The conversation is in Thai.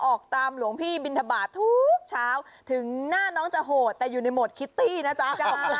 ออกตามหลวงพี่บินทบาททุกเช้าถึงหน้าน้องจะโหดแต่อยู่ในโหมดคิตตี้นะจ๊ะ